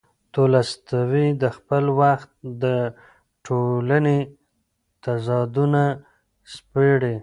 تولستوی د خپل وخت د ټولنې تضادونه سپړي.